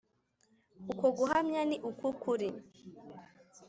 Uko guhamya ni uk’ukuri